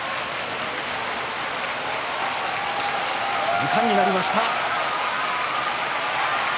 時間になりました。